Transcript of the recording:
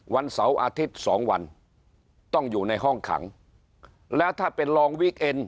วันเสาร์อาทิตย์สองวันต้องอยู่ในห้องขังแล้วถ้าเป็นรองวิกเอ็น